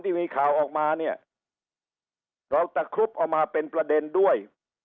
ที่มีข่าวออกมาเนี่ยเราตะครุบเอามาเป็นประเด็นด้วย